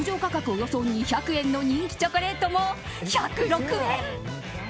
およそ２００円の人気チョコレートも１０６円。